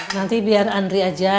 nanti biar andri aja